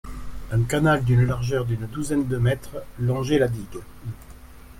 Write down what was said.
Un canal d’une largeur d'une douzaine de mètres longeait la Digue.